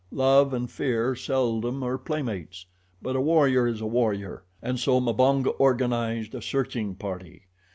Love and fear seldom are playmates; but a warrior is a warrior, and so Mbonga organized a searching party.